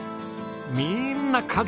みーんな家族。